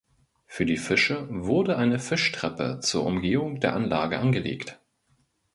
Für die Fische wurde eine Fischtreppe zur Umgehung der Anlage angelegt.